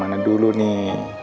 bagaimana dulu nih